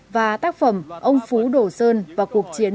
và tác phẩm ông phú đổ sơn vào cuộc chiến